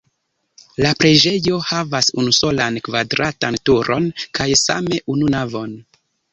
La preĝejo havas unusolan kvadratan turon kaj same unu navon.